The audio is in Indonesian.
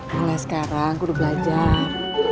malah sekarang gue udah belajar